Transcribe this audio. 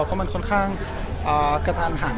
เพราะมันค่อนข้างกระทันหัน